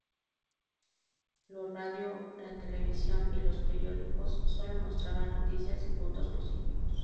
Lo radio, la televisión y los periódicos, solo mostraban noticias y puntos positivos.